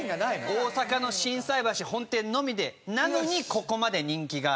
大阪の心斎橋本店のみでなのにここまで人気が。